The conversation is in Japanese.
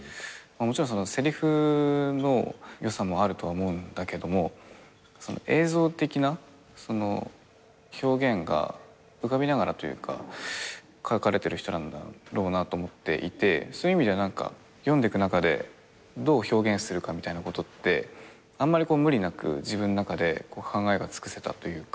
もちろんせりふの良さもあるとは思うんだけども映像的な表現が浮かびながらというか書かれてる人なんだろうなと思っていてそういう意味では読んでく中でどう表現するかみたいなことってあんまり無理なく自分の中で考えがつくせたというか。